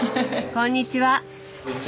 こんにちは。